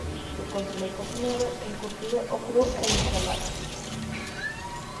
Se consume cocinado, encurtido o crudo en ensalada.